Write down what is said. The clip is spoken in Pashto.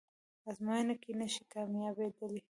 ازموینه کې نشئ کامیابدلی